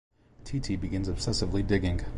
Ty Ty begins obsessively digging.